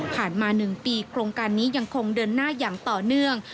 มา๑ปีโครงการนี้ยังคงเดินหน้าอย่างต่อเนื่อง